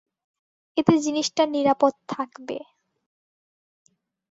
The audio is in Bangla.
এতে জিনিসটা নিরাপদ থাকবে।